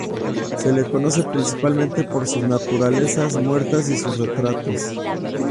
Se le conoce principalmente por sus naturalezas muertas y sus retratos.